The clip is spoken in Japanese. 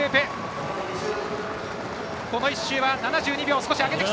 この１周７２秒。